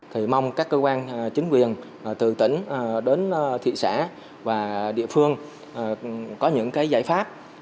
thì mong các cơ quan chính quyền từ tỉnh đến thị xã và địa phương có những cái giải pháp